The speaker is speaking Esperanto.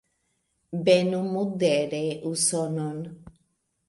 Benu modere Usonon!